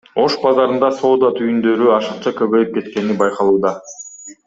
Ош базарында соода түйүндөрү ашыкча көбөйүп кеткени байкалууда.